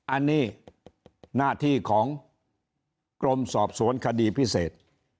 อันนี้หน้าที่ของกรมสอบสวนคดีพิเศษ